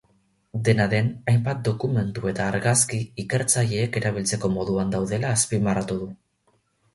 Dena den, hainbat dokumentu eta argazki ikertzaileek erabiltzeko moduan daudela azpimarratu du.